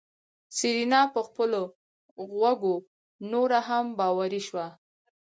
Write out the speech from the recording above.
سېرېنا په خپلو غوږو نوره هم باوري شوه.